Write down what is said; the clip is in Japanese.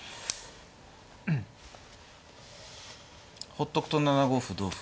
ほっとくと７五歩同歩